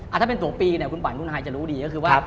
ถ้าเป็นตัวปีเนี่ยคุณขวัญคุณฮายจะรู้ดีก็คือว่า